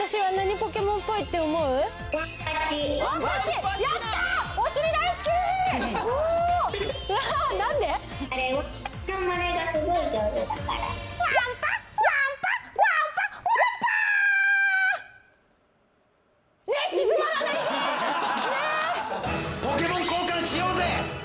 ポケモン交換しようぜ！